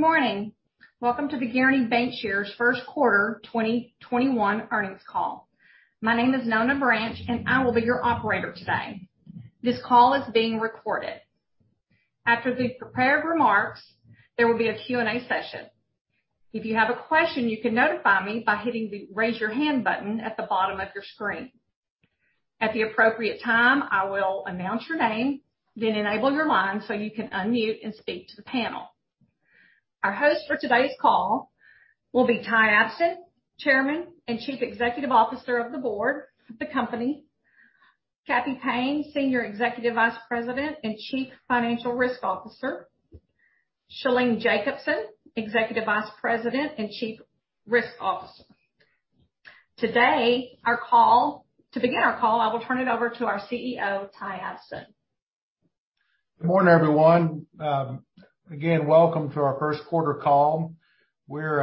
Good morning. Welcome to the Guaranty Bancshares first quarter 2021 earnings call. My name is Nona Branch, and I will be your operator today. This call is being recorded. After the prepared remarks, there will be a Q&A session. If you have a question, you can notify me by hitting the Raise Your Hand button at the bottom of your screen. At the appropriate time, I will announce your name, then enable your line so you can unmute and speak to the panel. Our host for today's call will be Ty Abston, Chairman and Chief Executive Officer of the board of the company, Cappy Payne, Senior Executive Vice President and Chief Financial Risk Officer, Shalene Jacobson, Executive Vice President and Chief Risk Officer. To begin our call, I will turn it over to our CEO, Ty Abston. Good morning, everyone. Again, welcome to our first quarter call. We're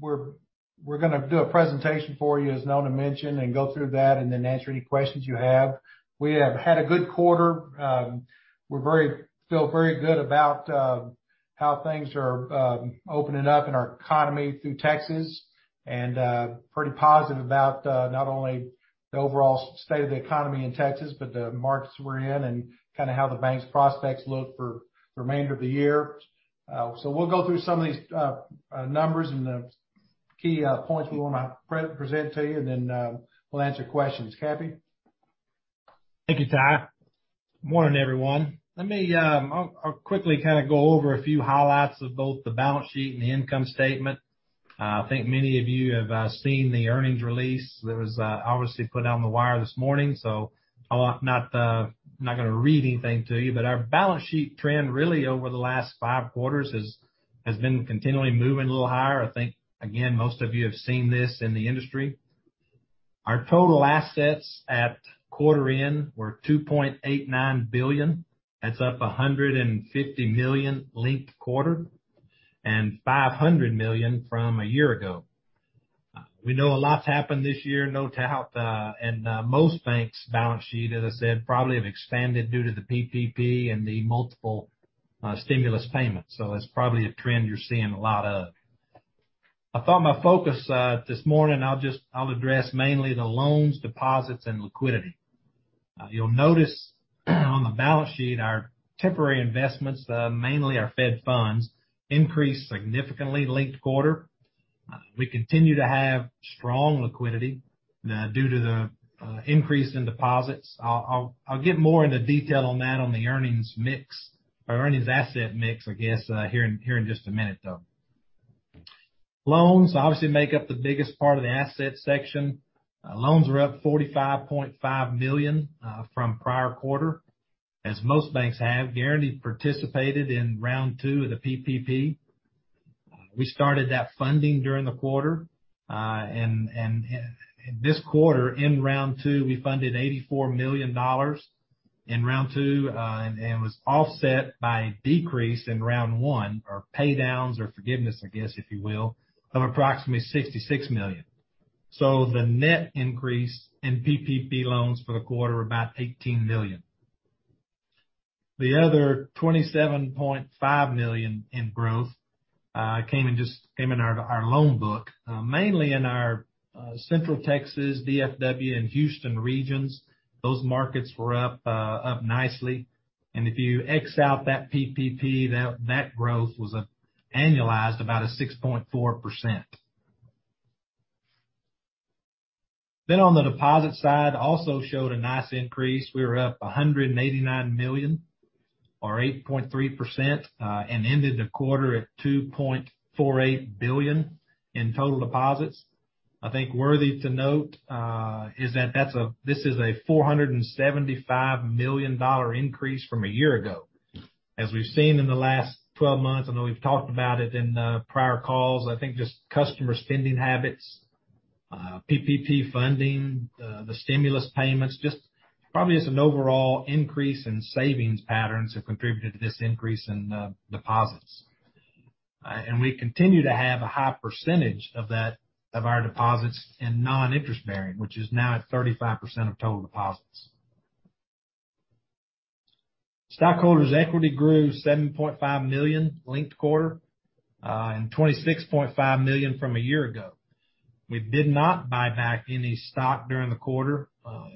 going to do a presentation for you, as Nona mentioned, and go through that, and then answer any questions you have. We have had a good quarter. We feel very good about how things are opening up in our economy through Texas, and pretty positive about not only the overall state of the economy in Texas, but the markets we're in and kind of how the bank's prospects look for the remainder of the year. We'll go through some of these numbers and the key points we want to present to you, and then we'll answer questions. Cappy? Thank you, Ty. Good morning, everyone. I'll quickly kind of go over a few highlights of both the balance sheet and the income statement. I think many of you have seen the earnings release that was obviously put out on the wire this morning. I'm not going to read anything to you, but our balance sheet trend really over the last five quarters has been continually moving a little higher. I think, again, most of you have seen this in the industry. Our total assets at quarter in were $2.89 billion. That's up $150 million linked quarter, and $500 million from a year ago. We know a lot's happened this year, no doubt, and most banks' balance sheet, as I said, probably have expanded due to the PPP and the multiple stimulus payments. That's probably a trend you're seeing a lot of. I thought my focus this morning, I'll address mainly the loans, deposits, and liquidity. You'll notice on the balance sheet, our temporary investments, mainly our Fed Funds, increased significantly linked quarter. We continue to have strong liquidity due to the increase in deposits. I'll get more into detail on that on the earnings mix, or earnings asset mix, I guess, here in just a minute, though. Loans obviously make up the biggest part of the asset section. Loans were up $45.5 million from prior quarter. As most banks have, Guaranty participated Round 2 of the PPP. We started that funding during the quarter. This quarter, Round 2, we funded $84 million, and was offset by a decrease Round 1 or pay downs or forgiveness, I guess, if you will, of approximately $66 million. The net increase in PPP loans for the quarter were about $18 million. The other $27.5 million in growth came in our loan book, mainly in our Central Texas, DFW, and Houston regions. Those markets were up nicely. If you ex out that PPP, that growth was annualized about a 6.4%. On the deposit side, also showed a nice increase. We were up $189 million or 8.3%, and ended the quarter at $2.48 billion in total deposits. I think worthy to note is that this is a $475 million increase from a year ago. As we've seen in the last 12 months, I know we've talked about it in the prior calls, I think just customer spending habits, PPP funding, the stimulus payments, just probably just an overall increase in savings patterns have contributed to this increase in deposits. We continue to have a high percentage of our deposits in non-interest bearing, which is now at 35% of total deposits. Stockholders' equity grew $7.5 million linked quarter, and $26.5 million from a year ago. We did not buy back any stock during the quarter.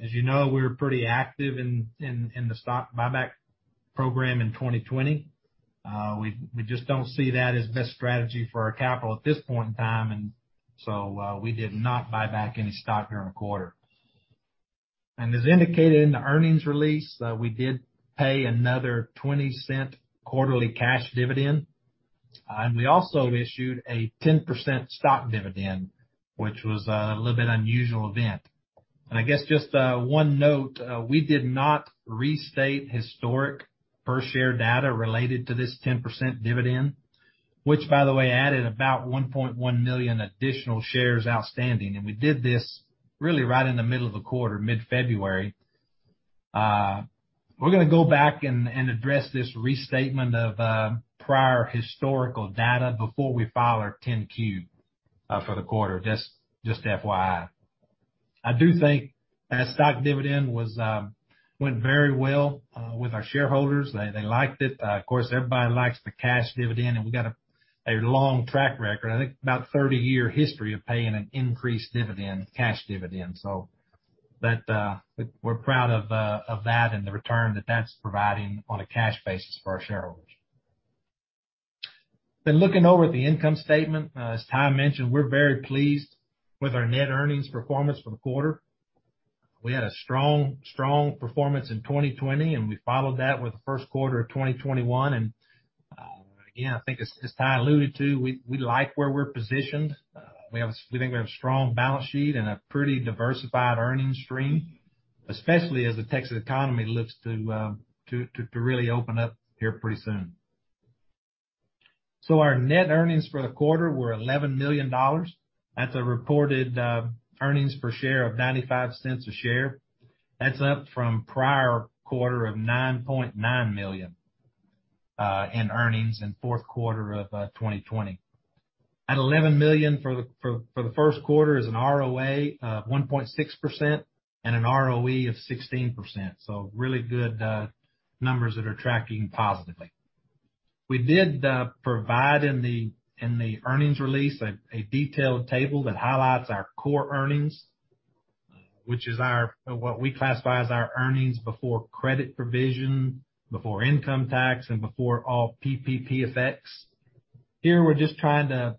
As you know, we were pretty active in the stock buyback program in 2020. We just don't see that as the best strategy for our capital at this point in time. We did not buy back any stock during the quarter. As indicated in the earnings release, we did pay another $0.20 quarterly cash dividend. We also issued a 10% stock dividend, which was a little bit unusual event. I guess just one note, we did not restate historic per share data related to this 10% dividend, which by the way added about 1.1 million additional shares outstanding. We did this really right in the middle of the quarter, mid-February. We're going to go back and address this restatement of prior historical data before we file our 10-Q for the quarter. Just FYI, I do think that stock dividend went very well with our shareholders. They liked it. Of course, everybody likes the cash dividend, and we got a long track record, I think about 30-year history of paying an increased dividend, cash dividend. We're proud of that and the return that that's providing on a cash basis for our shareholders. Looking over at the income statement, as Ty mentioned, we're very pleased with our net earnings performance for the quarter. We had a strong performance in 2020, and we followed that with the first quarter of 2021. Again, I think as Ty alluded to, we like where we're positioned. We think we have a strong balance sheet and a pretty diversified earnings stream, especially as the Texas economy looks to really open up here pretty soon. Our net earnings for the quarter were $11 million. That's a reported earnings per share of $0.95 a share. That's up from prior quarter of $9.9 million in earnings in fourth quarter of 2020. $11 million for the first quarter is an ROA of 1.6% and an ROE of 16%. Really good numbers that are tracking positively. We did provide in the earnings release a detailed table that highlights our core earnings, which is what we classify as our earnings before credit provision, before income tax, and before all PPP effects. Here we're just trying to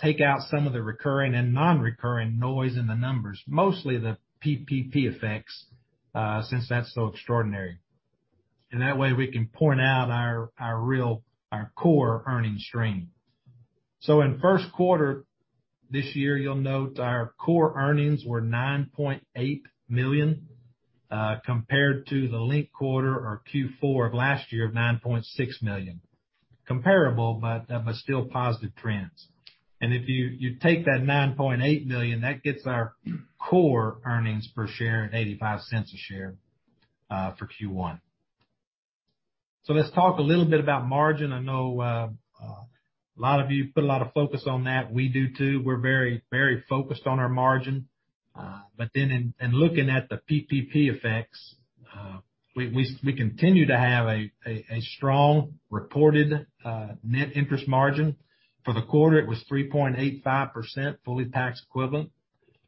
take out some of the recurring and non-recurring noise in the numbers, mostly the PPP effects, since that's so extraordinary. That way we can point out our core earnings stream. In first quarter this year, you'll note our core earnings were $9.8 million, compared to the linked quarter or Q4 of last year of $9.6 million. Comparable, still positive trends. If you take that $9.8 million, that gets our core earnings per share at $0.85 a share for Q1. Let's talk a little bit about margin. I know a lot of you put a lot of focus on that. We do too. We're very focused on our margin. In looking at the PPP effects, we continue to have a strong reported net interest margin. For the quarter, it was 3.85%, fully tax equivalent.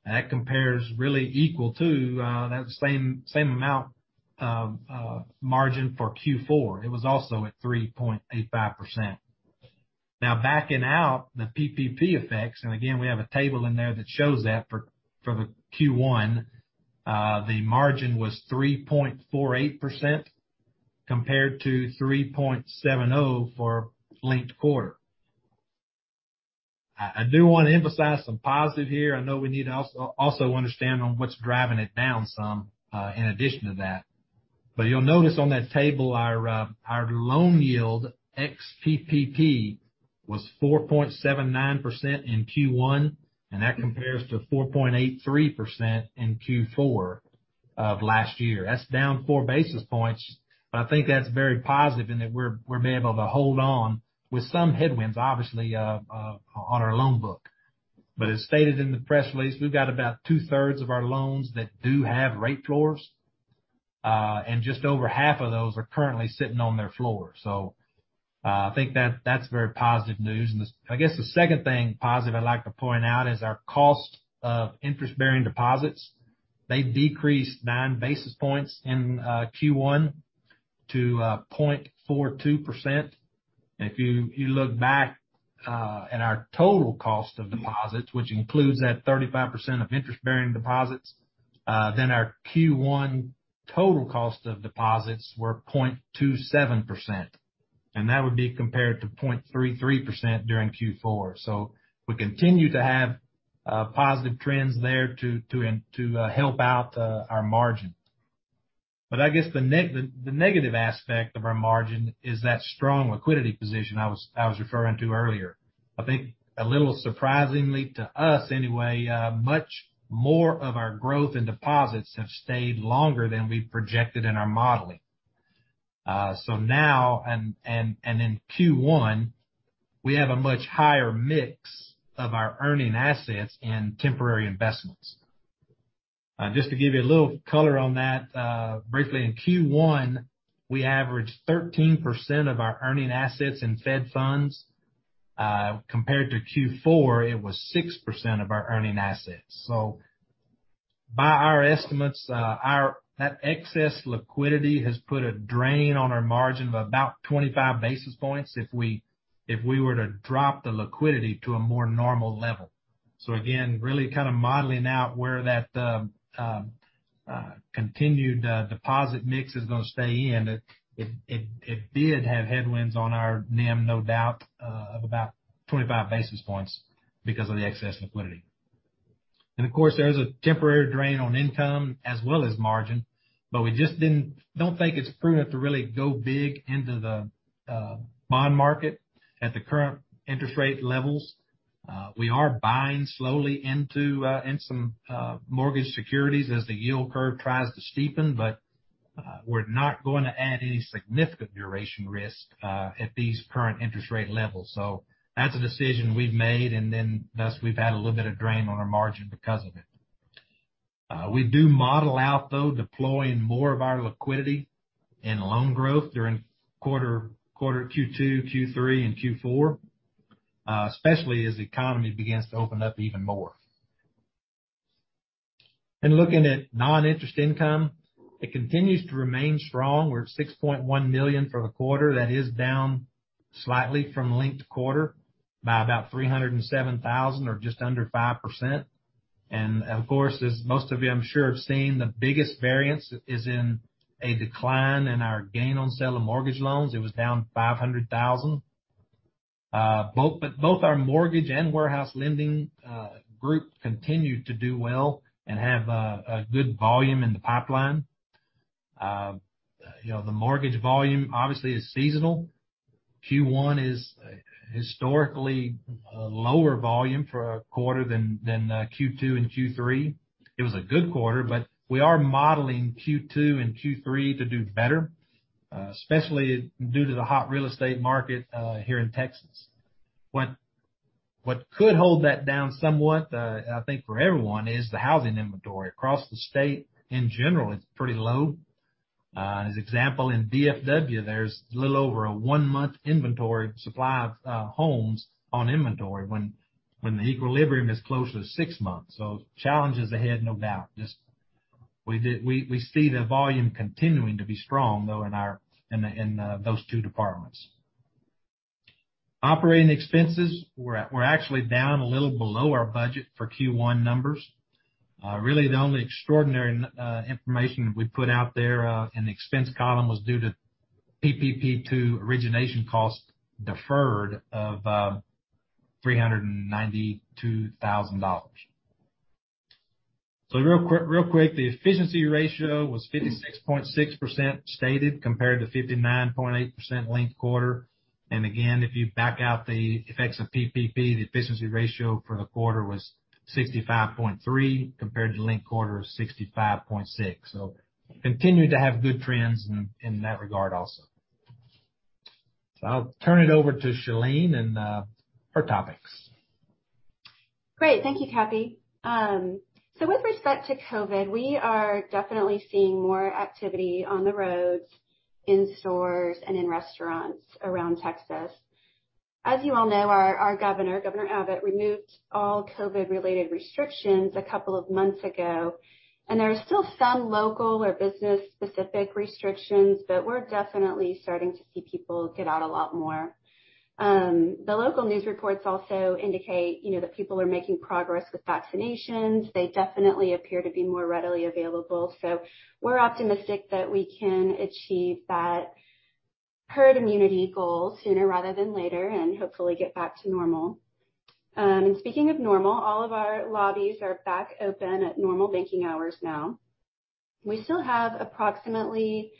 That compares really equal to that same amount of margin for Q4. It was also at 3.85%. Backing out the PPP effects, and again, we have a table in there that shows that for the Q1, the margin was 3.48% compared to 3.70% for linked quarter. I do want to emphasize some positive here. I know we need to also understand on what's driving it down some, in addition to that. You'll notice on that table, our loan yield ex PPP was 4.79% in Q1, and that compares to 4.83% in Q4 of last year. That's down four basis points, I think that's very positive in that we've been able to hold on with some headwinds, obviously, on our loan book. As stated in the press release, we've got about two-thirds of our loans that do have rate floors, and just over half of those are currently sitting on their floor. I think that's very positive news. I guess the second thing positive I'd like to point out is our cost of interest-bearing deposits. They decreased 9 basis points in Q1 to 0.42%. If you look back at our total cost of deposits, which includes that 35% of interest-bearing deposits, then our Q1 total cost of deposits were 0.27%, and that would be compared to 0.33% during Q4. We continue to have positive trends there to help out our margin. I guess the negative aspect of our margin is that strong liquidity position I was referring to earlier. I think a little surprisingly to us anyway, much more of our growth in deposits have stayed longer than we projected in our modeling. Now and in Q1, we have a much higher mix of our earning assets and temporary investments. Just to give you a little color on that, briefly in Q1, we averaged 13% of our earning assets in Fed Funds, compared to Q4, it was 6% of our earning assets. By our estimates, that excess liquidity has put a drain on our margin of about 25 basis points if we were to drop the liquidity to a more normal level. Again, really kind of modeling out where that continued deposit mix is going to stay in. It did have headwinds on our NIM, no doubt, of about 25 basis points because of the excess liquidity. Of course, there is a temporary drain on income as well as margin, but we just don't think it's prudent to really go big into the bond market at the current interest rate levels. We are buying slowly into some mortgage securities as the yield curve tries to steepen. We're not going to add any significant duration risk at these current interest rate levels. That's a decision we've made, and then thus we've had a little bit of drain on our margin because of it. We do model out, though, deploying more of our liquidity and loan growth during quarter Q2, Q3, and Q4, especially as the economy begins to open up even more. Looking at non-interest income, it continues to remain strong. We're at $6.1 million for the quarter. That is down slightly from linked quarter by about $307,000 or just under 5%. Of course, as most of you, I'm sure, have seen, the biggest variance is in a decline in our gain on sale of mortgage loans. It was down $500,000. Both our mortgage and warehouse lending group continued to do well and have a good volume in the pipeline. The mortgage volume obviously is seasonal. Q1 is historically a lower volume for a quarter than Q2 and Q3. It was a good quarter. We are modeling Q2 and Q3 to do better, especially due to the hot real estate market here in Texas. What could hold that down somewhat, I think for everyone, is the housing inventory across the state, in general, it's pretty low. As example, in DFW, there's a little over a one-month inventory supply of homes on inventory when the equilibrium is closer to six months. Challenges ahead, no doubt. Just we see the volume continuing to be strong, though, in those two departments. Operating expenses were actually down a little below our budget for Q1 numbers. Really the only extraordinary information we put out there in the expense column was due to PPP 2 origination costs deferred of $392,000. Real quick, the efficiency ratio was 56.6% stated, compared to 59.8% linked quarter. Again, if you back out the effects of PPP, the efficiency ratio for the quarter was 65.3 compared to linked quarter of 65.6. Continued to have good trends in that regard also. I'll turn it over to Shalene and her topics. Great. Thank you, Cappy. With respect to COVID, we are definitely seeing more activity on the roads, in stores, and in restaurants around Texas. As you all know, our governor, Governor Abbott removed all COVID-related restrictions a couple of months ago. There are still some local or business-specific restrictions, but we're definitely starting to see people get out a lot more. The local news reports also indicate that people are making progress with vaccinations. They definitely appear to be more readily available. We're optimistic that we can achieve that herd immunity goal sooner rather than later, and hopefully get back to normal. Speaking of normal, all of our lobbies are back open at normal banking hours now. We still have approximately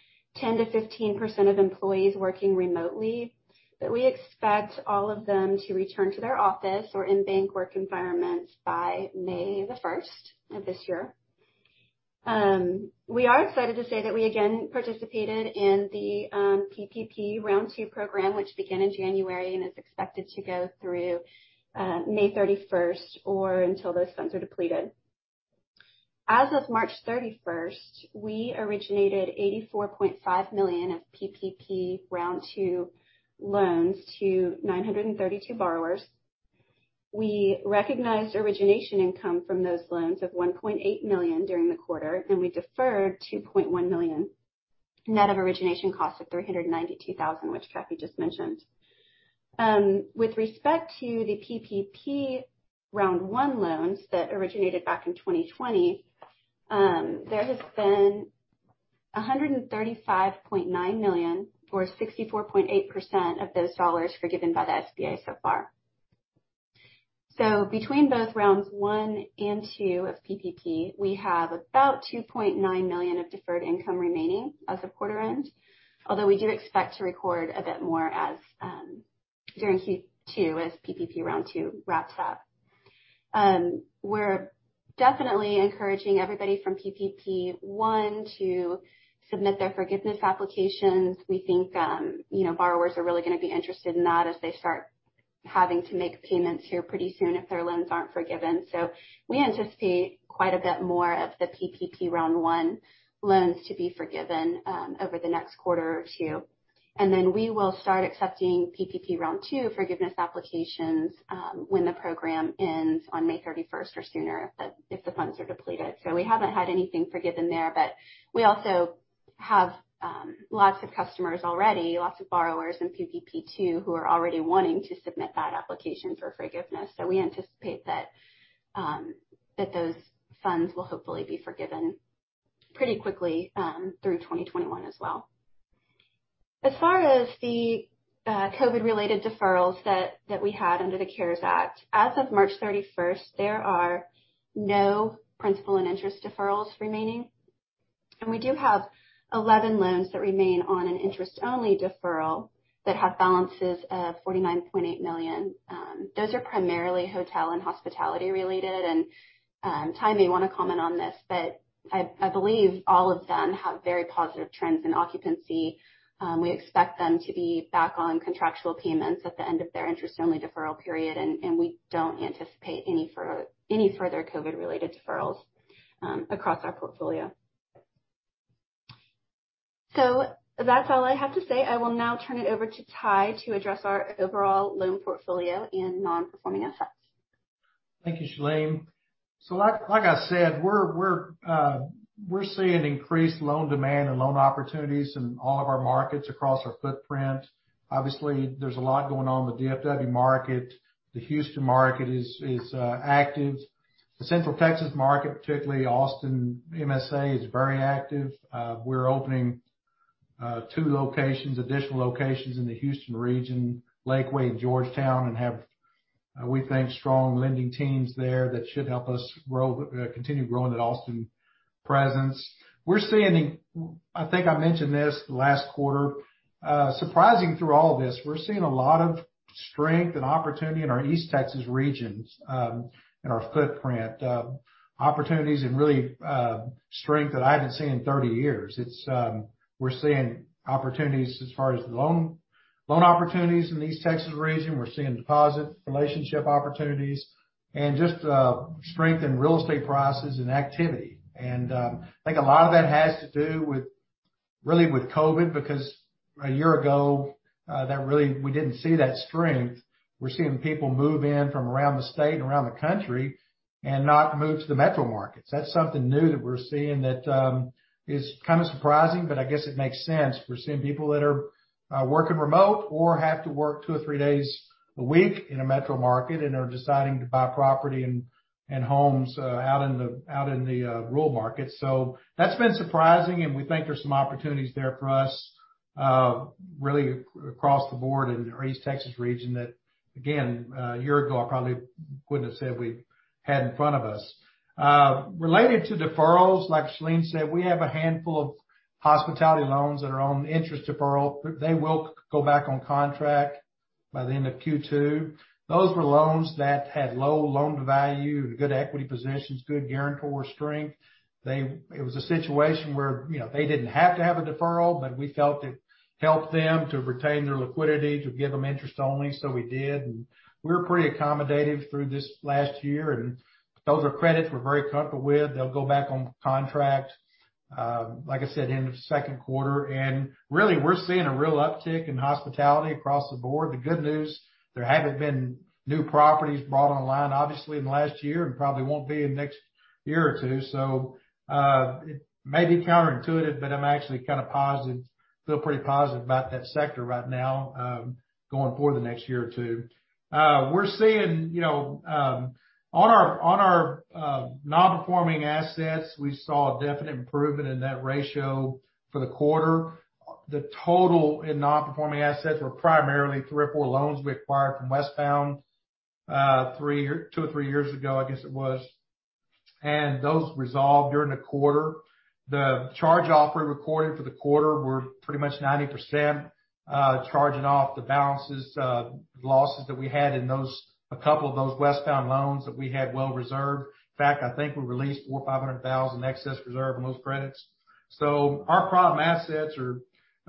10%-15% of employees working remotely, but we expect all of them to return to their office or in-bank work environments by May the 1st of this year. We are excited to say that we again participated in the PPP Round 2 program, which began in January and is expected to go through May 31st or until those funds are depleted. As of March 31st, we originated $84.5 million of PPP Round 2 loans to 932 borrowers. We recognized origination income from those loans of $1.8 million during the quarter, and we deferred $2.1 million, net of origination costs of $392,000, which Cappy just mentioned. With respect to the PPP Round 1 loans that originated back in 2020, there has been $135.9 million or 64.8% of those dollars forgiven by the SBA so far. Between both Rounds 1 and 2 of PPP, we have about $2.9 million of deferred income remaining as of quarter end. Although we do expect to record a bit more during Q2 as Round 2 wraps up. We're definitely encouraging everybody from PPP 1 to submit their forgiveness applications. We think borrowers are really going to be interested in that as they start having to make payments here pretty soon if their loans aren't forgiven. We anticipate quite a bit more of the Round 1 loans to be forgiven over the next quarter or two. We will start accepting Round 2 forgiveness applications when the program ends on May 31st or sooner if the funds are depleted. We haven't had anything forgiven there, but we also have lots of customers already, lots of borrowers in PPP 2 who are already wanting to submit that application for forgiveness. We anticipate that those funds will hopefully be forgiven pretty quickly through 2021 as well. As far as the COVID-related deferrals that we had under the CARES Act, as of March 31st, there are no principal and interest deferrals remaining. We do have 11 loans that remain on an interest-only deferral that have balances of $49.8 million. Those are primarily hotel and hospitality-related. Ty may want to comment on this, but I believe all of them have very positive trends in occupancy. We expect them to be back on contractual payments at the end of their interest-only deferral period, and we don't anticipate any further COVID-related deferrals across our portfolio. That's all I have to say. I will now turn it over to Ty to address our overall loan portfolio and non-performing assets. Thank you, Shalene. Like I said, we're seeing increased loan demand and loan opportunities in all of our markets across our footprint. Obviously, there's a lot going on in the DFW Market. The Houston Market is active. The Central Texas Market, particularly Austin MSA, is very active. We're opening two locations, additional locations in the Houston region, Lakeway and Georgetown, and have, we think, strong lending teams there that should help us continue growing that Austin presence. We're seeing, I think I mentioned this last quarter, surprisingly, through all of this, we're seeing a lot of strength and opportunity in our East Texas regions, in our footprint. Opportunities and really strength that I haven't seen in 30 years. We're seeing opportunities as far as loan opportunities in the East Texas region. We're seeing deposit relationship opportunities and just strength in real estate prices and activity. I think a lot of that has to do really with COVID, because a year ago, we didn't see that strength. We're seeing people move in from around the state and around the country and not move to Metro Markets. that's something new that we're seeing that is kind of surprising, but I guess it makes sense. We're seeing people that are working remote or have to work two or three days a week in a Metro Markets and are deciding to buy property and homes out in the rural markets. That's been surprising, and we think there's some opportunities there for us really across the board in our East Texas region that again, a year ago, I probably wouldn't have said we had in front of us. Related to deferrals, like Shalene said, we have a handful of hospitality loans that are on interest deferral. They will go back on contract by the end of Q2. Those were loans that had low loan-to-value and good equity positions, good guarantor strength. It was a situation where they didn't have to have a deferral, but we felt it helped them to retain their liquidity to give them interest only, so we did. We were pretty accommodative through this last year. Those are credits we're very comfortable with. They'll go back on contract, like I said, end of second quarter, and really we're seeing a real uptick in hospitality across the board. The good news, there haven't been new properties brought online, obviously, in the last year and probably won't be in the next year or two. It may be counterintuitive, but I'm actually kind of positive, feel pretty positive about that sector right now, going forward the next year or two. We're seeing on our non-performing assets, we saw a definite improvement in that ratio for the quarter. The total in non-performing assets were primarily three or four loans we acquired from Westbound two or three years ago, I guess it was. Those resolved during the quarter. The charge-off we recorded for the quarter were pretty much 90% charging off the balances, losses that we had in a couple of those Westbound loans that we had well reserved. In fact, I think we released $400,000 or $500,000 in excess reserve on those credits. Our problem assets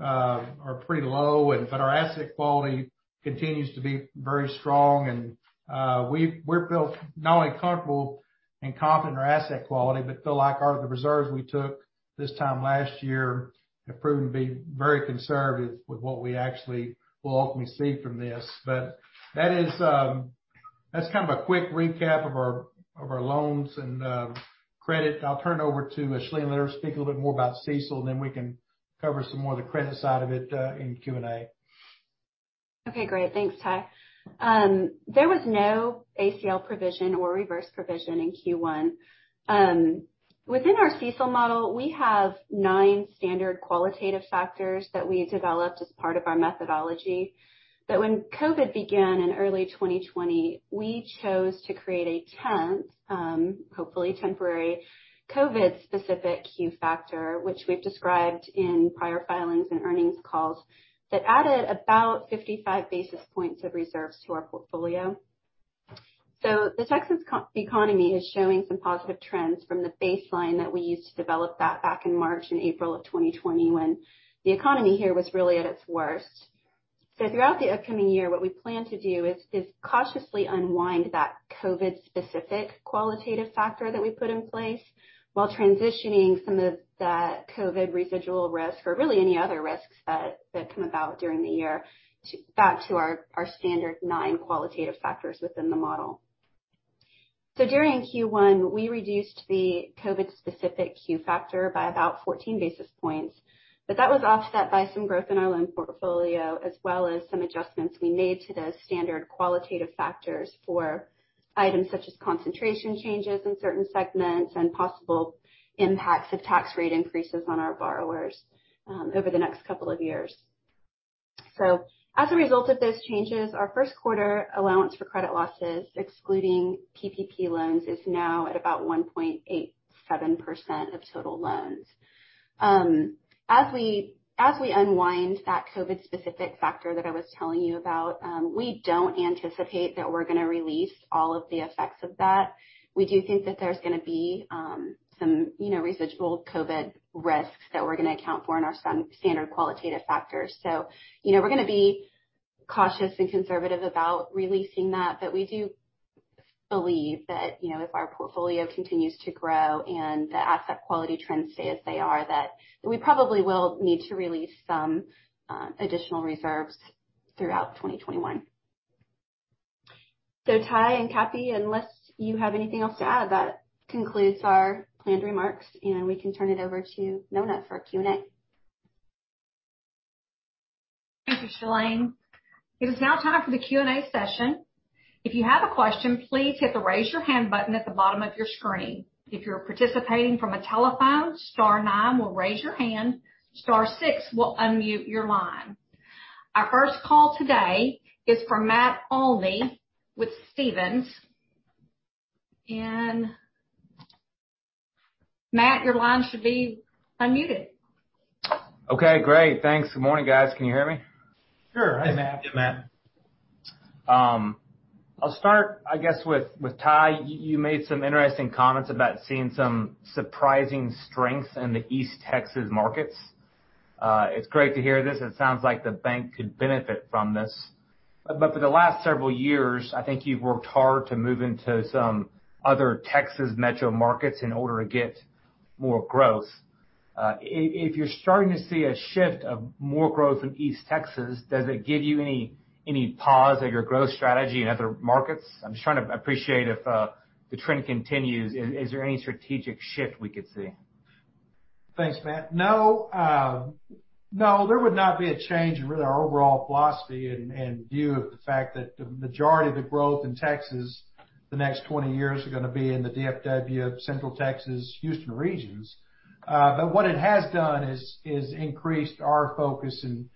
are pretty low, but our asset quality continues to be very strong. We're built not only comfortable and confident in our asset quality, but feel like the reserves we took this time last year have proven to be very conservative with what we actually will ultimately see from this. That's kind of a quick recap of our loans and credit. I'll turn it over to Shalene, let her speak a little bit more about CECL, and then we can cover some more of the credit side of it in Q&A. Okay, great. Thanks, Ty. There was no ACL provision or reverse provision in Q1. Within our CECL model, we have nine standard qualitative factors that we developed as part of our methodology. When COVID began in early 2020, we chose to create a 10th, hopefully temporary, COVID-specific qualitative factor, which we've described in prior filings and earnings calls, that added about 55 basis points of reserves to our portfolio. The Texas economy is showing some positive trends from the baseline that we used to develop that back in March and April of 2020, when the economy here was really at its worst. Throughout the upcoming year, what we plan to do is cautiously unwind that COVID-specific qualitative factor that we put in place while transitioning some of that COVID residual risk or really any other risks that come about during the year back to our standard nine qualitative factors within the model. During Q1, we reduced the COVID-specific qualitative factor by about 14 basis points, but that was offset by some growth in our loan portfolio as well as some adjustments we made to the standard qualitative factors for items such as concentration changes in certain segments and possible impacts of tax rate increases on our borrowers over the next couple of years. As a result of those changes, our first quarter allowance for credit losses, excluding PPP loans, is now at about 1.87% of total loans. As we unwind that COVID-specific factor that I was telling you about, we don't anticipate that we're going to release all of the effects of that. We do think that there's going to be some residual COVID risks that we're going to account for in our standard qualitative factors. We're going to be cautious and conservative about releasing that. We do believe that, if our portfolio continues to grow and the asset quality trends stay as they are, that we probably will need to release some additional reserves throughout 2021. Ty and Cappy, unless you have anything else to add, that concludes our planned remarks, and we can turn it over to Nona for Q&A. Thank you, Shalene. It is now time for the Q&A session. If you have a question, please hit the Raise Your Hand button at the bottom of your screen. If you're participating from a telephone, star nine will raise your hand. Star six will unmute your line. Our first call today is from Matt Olney with Stephens. Matt, your line should be unmuted. Okay, great. Thanks. Good morning, guys. Can you hear me? Sure. Hi, Matt. Sure. Hi, Matt. I'll start, I guess, with Ty. You made some interesting comments about seeing some surprising strength in the East Texas markets. It's great to hear this. It sounds like the bank could benefit from this. For the last several years, I think you've worked hard to move into some other Metro Markets in order to get more growth. If you're starting to see a shift of more growth in East Texas, does it give you any pause of your growth strategy in other markets? I'm just trying to appreciate if the trend continues. Is there any strategic shift we could see? Thanks, Matt. There would not be a change in our overall philosophy in view of the fact that the majority of the growth in Texas the next 20 years are going to be in the DFW, Central Texas, Houston regions. What it has done is increased our focus and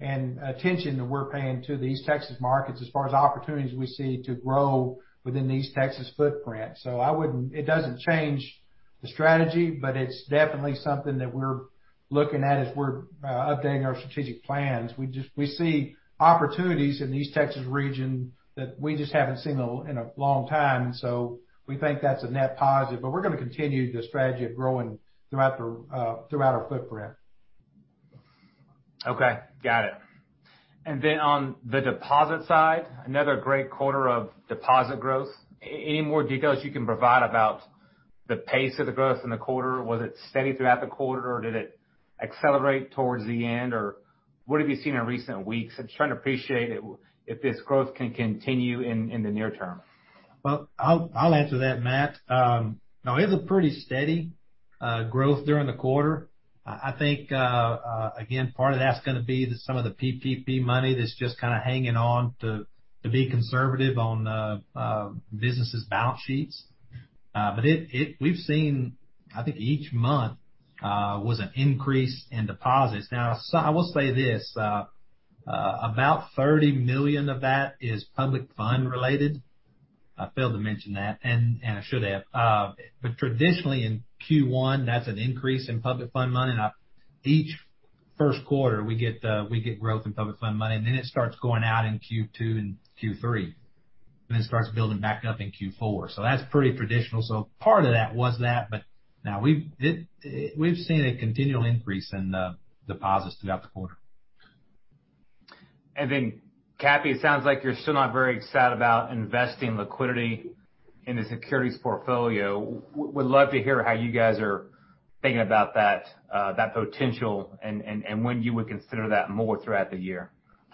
attention that we're paying to the East Texas markets as far as opportunities we see to grow within the East Texas footprint. It doesn't change the strategy, but it's definitely something that we're looking at as we're updating our strategic plans. We see opportunities in the East Texas region that we just haven't seen in a long time, we think that's a net positive. We're going to continue the strategy of growing throughout our footprint. Okay, got it. On the deposit side, another great quarter of deposit growth. Any more details you can provide about the pace of the growth in the quarter? Was it steady throughout the quarter, or did it accelerate towards the end? What have you seen in recent weeks? I'm just trying to appreciate if this growth can continue in the near term. Well, I'll answer that, Matt. It was a pretty steady growth during the quarter. I think, again, part of that's going to be some of the PPP money that's just kind of hanging on to be conservative on businesses' balance sheets. We've seen, I think each month was an increase in deposits. I will say this, about $30 million of that is Public Fund-related. I failed to mention that, and I should have. Traditionally in Q1, that's an increase in Public Fund money. Each first quarter, we get growth in Public Fund money, and then it starts going out in Q2 and Q3. It starts building back up in Q4. That's pretty traditional. Part of that was that, but no, we've seen a continual increase in deposits throughout the quarter. Cappy, it sounds like you're still not very excited about investing liquidity in the securities portfolio. Would love to hear how you guys are thinking about that potential and when you would consider that more throughout the year.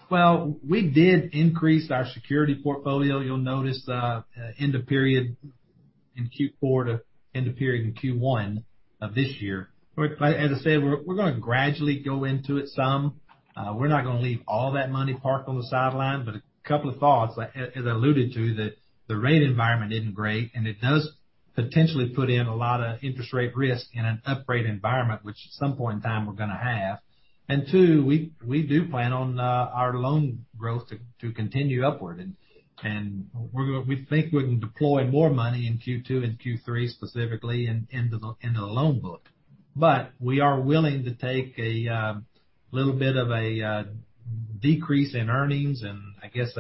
Well, we did increase our security portfolio. You'll notice end of period in Q4 to end of period in Q1 of this year. As I said, we're going to gradually go into it some. We're not going to leave all that money parked on the sideline. A couple of thoughts, as I alluded to, that the rate environment isn't great, and it does potentially put in a lot of interest rate risk in an uprate environment, which at some point in time we're going to have. Two, we do plan on our loan growth to continue upward, and we think we can deploy more money in Q2 and Q3, specifically in the loan book. We are willing to take a little bit of a decrease in earnings and I guess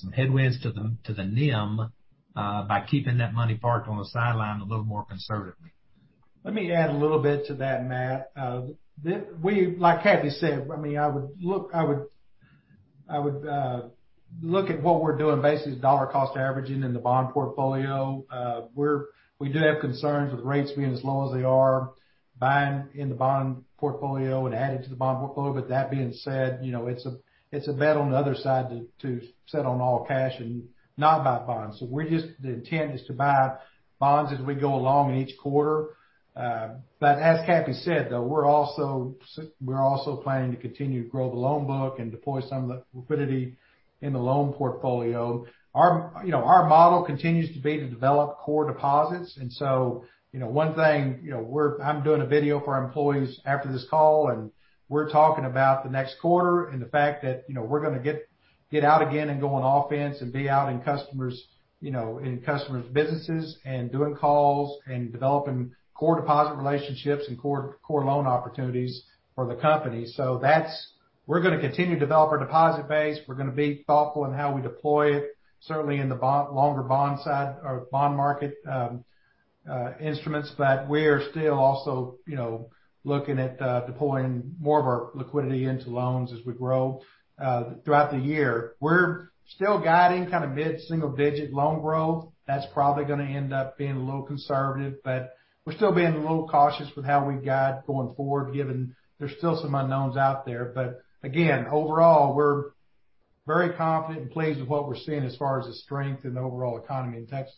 some headwinds to the NIM by keeping that money parked on the sideline a little more conservatively. Let me add a little bit to that, Matt. Like Cappy said, I would look at what we're doing basically as dollar cost averaging in the bond portfolio. We do have concerns with rates being as low as they are, buying in the bond portfolio and adding to the bond portfolio. That being said, it's a bet on the other side to sit on all cash and not buy bonds. The intent is to buy bonds as we go along in each quarter. As Cappy said, though, we're also planning to continue to grow the loan book and deploy some of the liquidity in the loan portfolio. Our model continues to be to develop core deposits. One thing, I'm doing a video for our employees after this call, and we're talking about the next quarter and the fact that we're going to get out again and go on offense and be out in customers' businesses and doing calls and developing core deposit relationships and core loan opportunities for the company. We're going to continue to develop our deposit base. We're going to be thoughtful in how we deploy it, certainly in the longer bond side or bond market instruments. We are still also looking at deploying more of our liquidity into loans as we grow throughout the year. We're still guiding mid-single digit loan growth. That's probably going to end up being a little conservative. We're still being a little cautious with how we guide going forward, given there's still some unknowns out there. Again, overall, we're very confident and pleased with what we're seeing as far as the strength in the overall economy in Texas.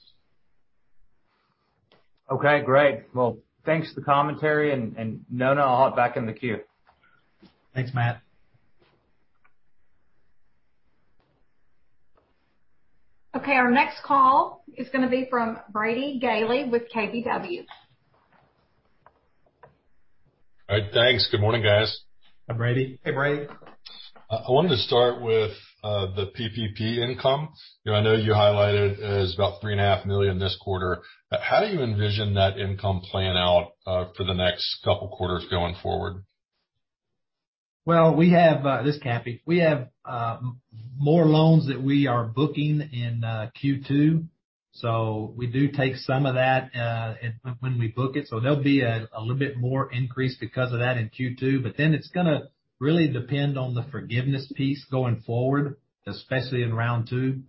Okay, great. Well, thanks for the commentary, and Nona, I'll hop back in the queue. Thanks, Matt. Okay, our next call is going to be from Brady Gailey with KBW. All right, thanks. Good morning, guys. Hi, Brady. Hey, Brady. I wanted to start with the PPP income. I know you highlighted it as about $3.5 Million this quarter, but how do you envision that income playing out for the next couple quarters going forward? This is Cappy. We have more loans that we are booking in Q2, we do take some of that when we book it. There'll be a little bit more increase because of that in Q2, it's going to really depend on the forgiveness piece going forward, especially in Round 2.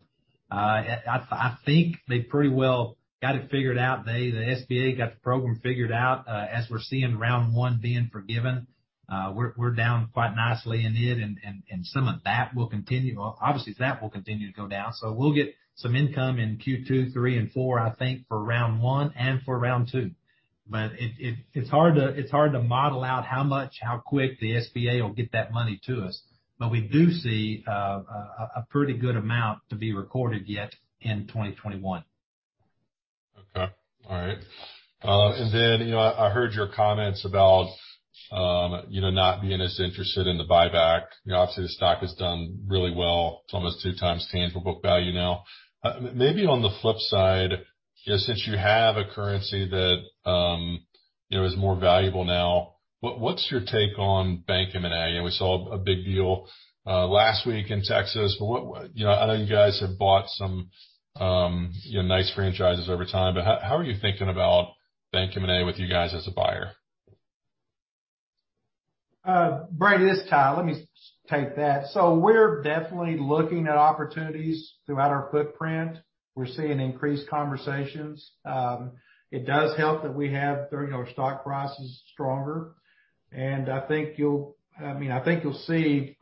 I think they pretty well got it figured out. The SBA got the program figured out, we're seeing Round 1 being forgiven. We're down quite nicely in it, some of that will continue. That will continue to go down. We'll get some income in Q2, Q3, and Q4, I think, for Round 1 and for Round 2. It's hard to model out how much, how quick the SBA will get that money to us. We do see a pretty good amount to be recorded yet in 2021. Okay. All right. I heard your comments about not being as interested in the buyback. Obviously, the stock has done really well. It's almost 2x tangible book value now. Maybe on the flip side, since you have a currency that is more valuable now, what's your take on bank M&A? We saw a big deal last week in Texas. I know you guys have bought some nice franchises over time, how are you thinking about bank M&A with you guys as a buyer? Brady, this is Ty. Let me take that. We're definitely looking at opportunities throughout our footprint. We're seeing increased conversations. It does help that we have our stock prices stronger. I think you'll see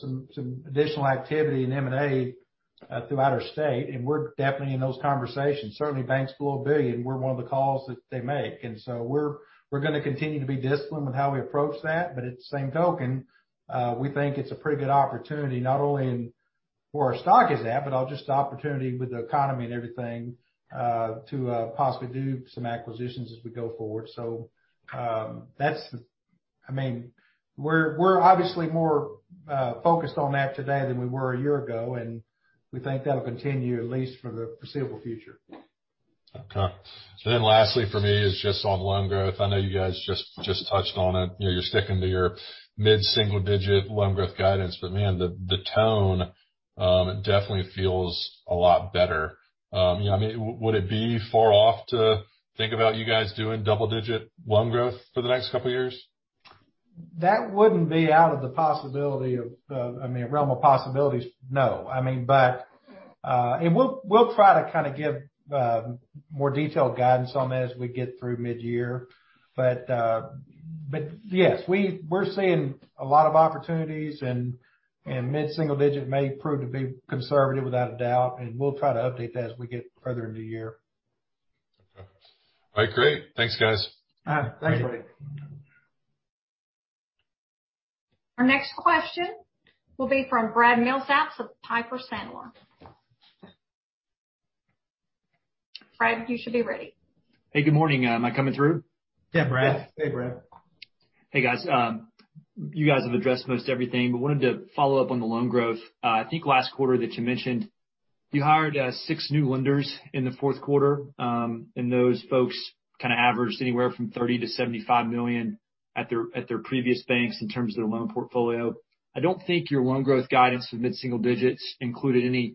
some additional activity in M&A throughout our state, and we're definitely in those conversations. Certainly, banks below a billion, we're one of the calls that they make. We're going to continue to be disciplined with how we approach that. At the same token, we think it's a pretty good opportunity not only for where our stock is at, but just the opportunity with the economy and everything, to possibly do some acquisitions as we go forward. We're obviously more focused on that today than we were a year ago, and we think that'll continue at least for the foreseeable future. Lastly for me is just on loan growth. I know you guys just touched on it. You're sticking to your mid-single digit loan growth guidance. Man, the tone definitely feels a lot better. Would it be far off to think about you guys doing double-digit loan growth for the next couple of years? That wouldn't be out of the realm of possibilities, no. We'll try to give more detailed guidance on that as we get through mid-year. Yes, we're seeing a lot of opportunities, and mid-single digit may prove to be conservative without a doubt, and we'll try to update that as we get further into the year. Okay. All right, great. Thanks, guys. All right. Thanks, Brady. Our next question will be from Brad Milsaps of Piper Sandler. Brad, you should be ready. Hey, good morning. Am I coming through? Yeah, Brad. Hey, Brad. Hey, guys. You guys have addressed most everything. Wanted to follow up on the loan growth. I think last quarter that you mentioned you hired six new lenders in the fourth quarter, and those folks kind of averaged anywhere from $30 million-$75 million at their previous banks in terms of their loan portfolio. I don't think your loan growth guidance for mid-single digits included any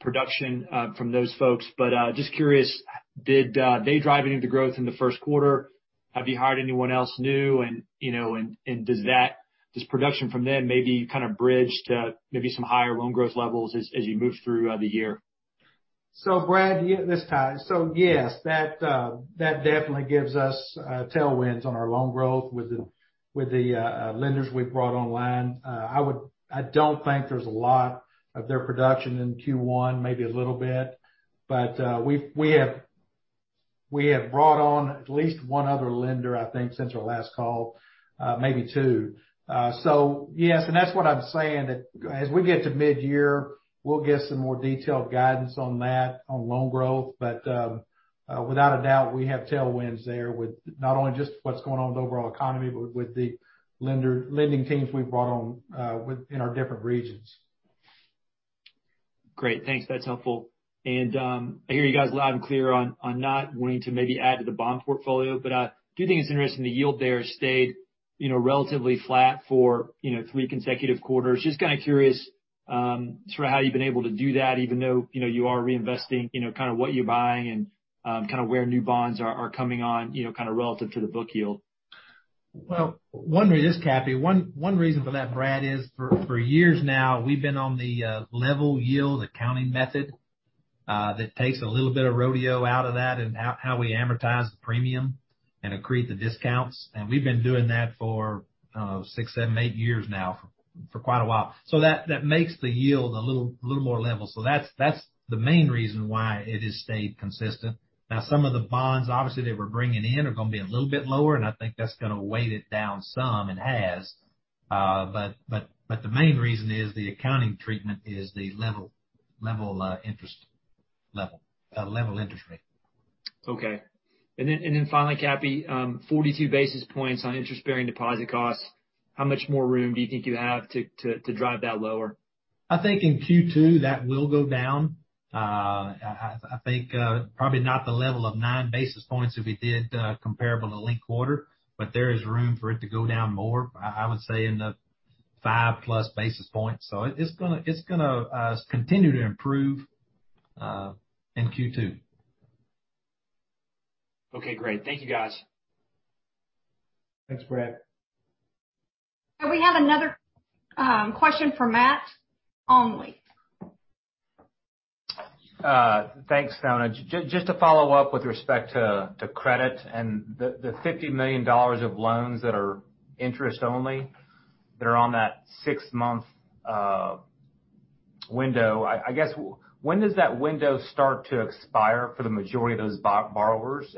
production from those folks. Just curious, did they drive any of the growth in the first quarter? Have you hired anyone else new? Does production from them maybe kind of bridge to maybe some higher loan growth levels as you move through the year? Brad, this is Ty. Yes, that definitely gives us tailwinds on our loan growth with the lenders we've brought online. I don't think there's a lot of their production in Q1, maybe a little bit. We have brought on at least one other lender, I think, since our last call. Maybe two. Yes, and that's what I'm saying, that as we get to mid-year, we'll give some more detailed guidance on that, on loan growth. Without a doubt, we have tailwinds there with not only just what's going on with the overall economy, but with the lending teams we've brought on in our different regions. Great. Thanks. That's helpful. I hear you guys loud and clear on not wanting to maybe add to the bond portfolio, but I do think it's interesting the yield there stayed relatively flat for three consecutive quarters. Just kind of curious sort of how you've been able to do that even though you are reinvesting, kind of what you're buying and kind of where new bonds are coming on, kind of relative to the book yield? Well, one reason, this is Cappy, one reason for that, Brad, is for years now, we've been on the level yield accounting method, that takes a little bit of rodeo out of that and how we amortize the premium and accrete the discounts. We've been doing that for six, seven, eight years now, for quite a while. That makes the yield a little more level. That's the main reason why it has stayed consistent. Now, some of the bonds, obviously, that we're bringing in are going to be a little bit lower, and I think that's going to weight it down some, and has. The main reason is the accounting treatment is the level interest rate. Okay. Then finally, Cappy, 42 basis points on interest-bearing deposit costs. How much more room do you think you have to drive that lower? I think in Q2 that will go down. I think probably not the level of nine basis points that we did comparable to linked quarter, but there is room for it to go down more, I would say in the 5+ basis points. It's going to continue to improve in Q2. Okay, great. Thank you guys. Thanks, Brad. We have another question from Matt Olney. Thanks, Nona. Just to follow up with respect to credit and the $50 million of loans that are interest only, that are on that six-month window. I guess, when does that window start to expire for the majority of those borrowers?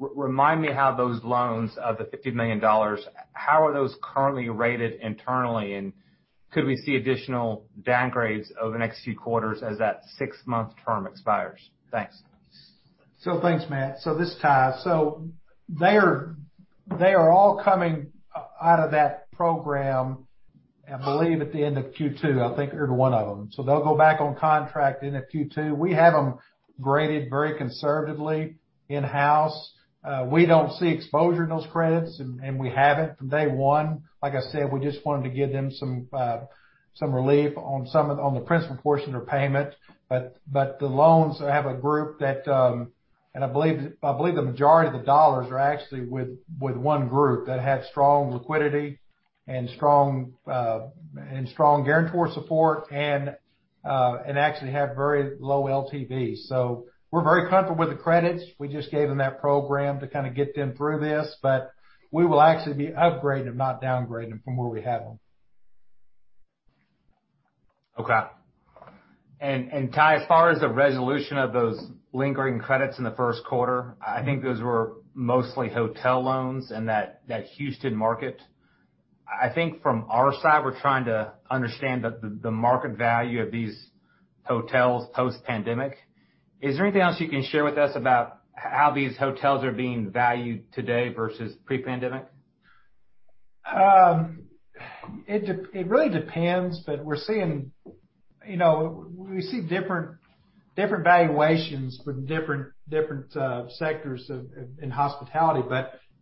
Remind me how those loans of the $50 million, how are those currently rated internally, and could we see additional downgrades over the next few quarters as that six-month term expires? Thanks. Thanks, Matt. This is Ty. They are all coming out of that program, I believe at the end of Q2, I think every one of them. They'll go back on contract end of Q2. We have them graded very conservatively in-house. We don't see exposure in those credits, and we haven't from day one. Like I said, we just wanted to give them some relief on the principal portion or payment. The loans have a group that I believe the majority of the dollars are actually with one group that had strong liquidity and strong guarantor support and actually have very low LTVs. We're very comfortable with the credits. We just gave them that program to kind of get them through this. We will actually be upgrading them, not downgrading them from where we have them. Okay. Ty, as far as the resolution of those lingering credits in the first quarter, I think those were mostly hotel loans in that Houston Market. I think from our side, we're trying to understand the market value of these hotels post-pandemic. Is there anything else you can share with us about how these hotels are being valued today versus pre-pandemic? It really depends. We see different valuations for different sectors in hospitality.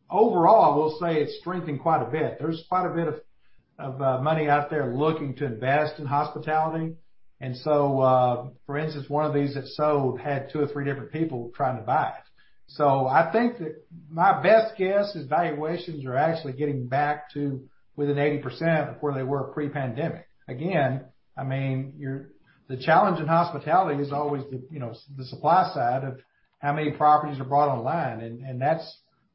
Overall, I will say it's strengthened quite a bit. There's quite a bit of money out there looking to invest in hospitality. For instance, one of these that sold had two or three different people trying to buy it. I think that my best guess is valuations are actually getting back to within 80% of where they were pre-pandemic. Again, the challenge in hospitality is always the supply side of how many properties are brought online.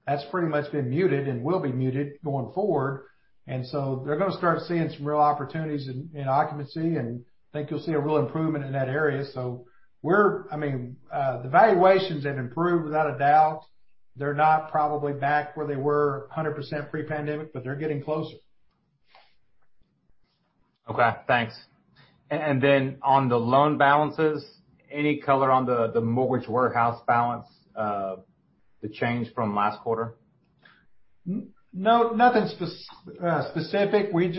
That's pretty much been muted and will be muted going forward. They're going to start seeing some real opportunities in occupancy, and I think you'll see a real improvement in that area. The valuations have improved, without a doubt. They're not probably back where they were 100% pre-pandemic, but they're getting closer. Okay, thanks. On the loan balances, any color on the mortgage warehouse balance, the change from last quarter? No, nothing specific. We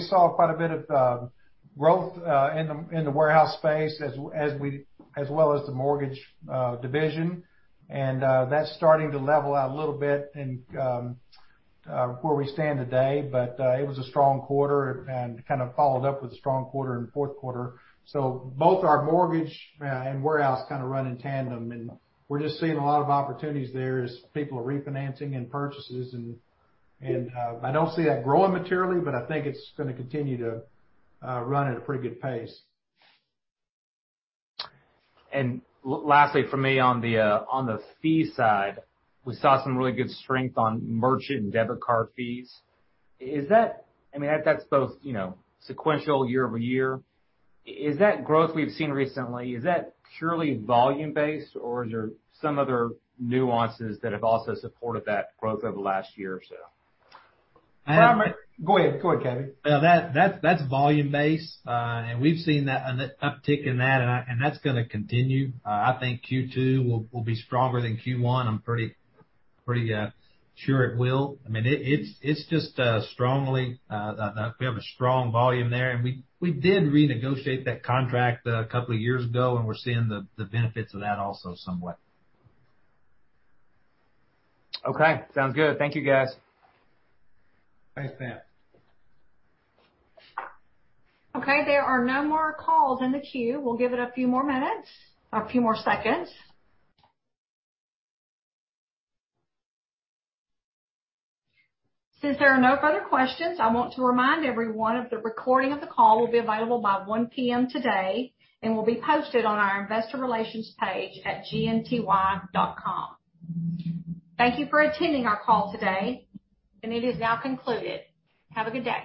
saw quite a bit of growth in the warehouse space as well as the mortgage division. That's starting to level out a little bit where we stand today. It was a strong quarter, and kind of followed up with a strong quarter in the fourth quarter. Both our mortgage and warehouse kind of run in tandem, and we're just seeing a lot of opportunities there as people are refinancing and purchases. I don't see that growing materially, but I think it's going to continue to run at a pretty good pace. Lastly from me on the fee side, we saw some really good strength on merchant and debit card fees. That's both sequential year-over-year. Is that growth we've seen recently, is that purely volume-based, or is there some other nuances that have also supported that growth over the last year or so? Go ahead, Cappy. That's volume-based. We've seen an uptick in that, and that's going to continue. I think Q2 will be stronger than Q1. I'm pretty sure it will. We have a strong volume there. We did renegotiate that contract a couple of years ago, and we're seeing the benefits of that also somewhat. Okay, sounds good. Thank you, guys. Thanks, Matt. Okay, there are no more calls in the queue. We'll give it a few more minutes, a few more seconds. Since there are no further questions, I want to remind everyone that the recording of the call will be available by 1:00 P.M. today and will be posted on our investor relations page at gnty.com. Thank you for attending our call today, and it is now concluded. Have a good day.